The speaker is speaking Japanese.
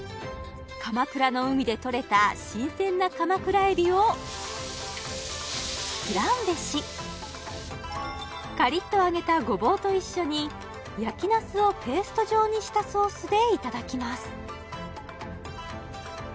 鎌倉の海でとれた新鮮な鎌倉海老をフランベしカリッと揚げたゴボウと一緒に焼きナスをペースト状にしたソースでいただきます